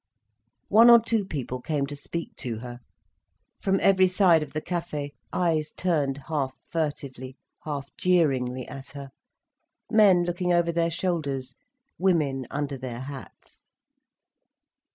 One or two people came to speak to her. From every side of the Café, eyes turned half furtively, half jeeringly at her, men looking over their shoulders, women under their hats.